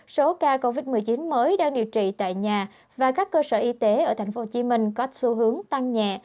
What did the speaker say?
số ca covid một mươi chín mới đang điều trị tại nhà và các cơ sở y tế ở tp hcm có xu hướng tăng nhẹ